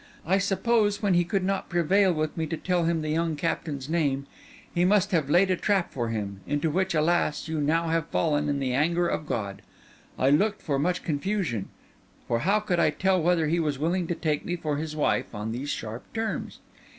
I suppose, when he could not prevail with me to tell him the young captain's name, he must have laid a trap for him: into which, alas! you have fallen in the anger of God. I looked for much confusion; for how could I tell whether he was willing to take me for his wife on these sharp terms?